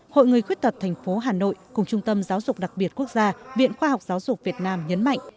hội người khuyết tật thành phố hà nội cùng trung tâm giáo dục đặc biệt quốc gia viện khoa học giáo dục việt nam nhấn mạnh